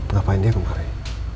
ngapain dia kemarin